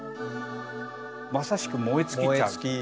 まさしく燃え尽きちゃう。